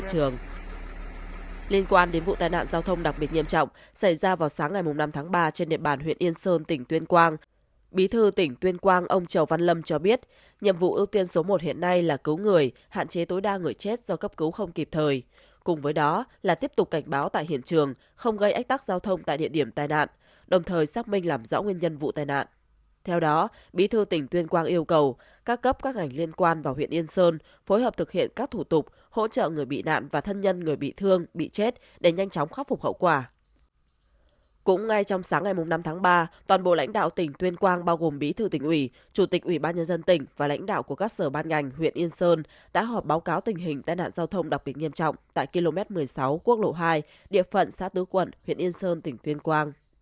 cũng ngay trong sáng ngày năm tháng ba toàn bộ lãnh đạo tỉnh tuyên quang bao gồm bí thư tỉnh ủy chủ tịch ủy ban nhân dân tỉnh và lãnh đạo của các sở ban ngành huyện yên sơn đã họp báo cáo tình hình tai nạn giao thông đặc biệt nghiêm trọng tại km một mươi sáu quốc lộ hai địa phận xá tứ quận huyện yên sơn tỉnh tuyên quang